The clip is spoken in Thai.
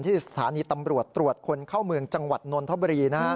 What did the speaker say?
สถานีตำรวจตรวจคนเข้าเมืองจังหวัดนนทบุรี